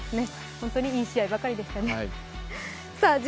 本当にいい試合ばかりでしたね。